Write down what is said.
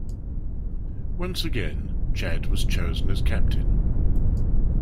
Once again, Chand was chosen as captain.